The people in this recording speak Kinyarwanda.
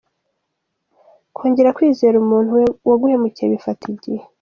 kongera kwizera umuntu waguhemukiye bifata igihe.